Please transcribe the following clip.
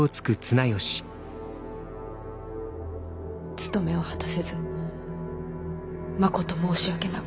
つとめを果たせずまこと申し訳なく。